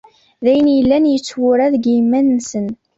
D ayen yellan yettwura deg yiman nsen.